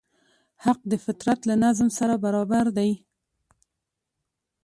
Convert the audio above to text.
حق د فطرت له نظم سره برابر دی.